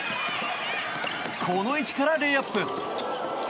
この位置からレイアップ！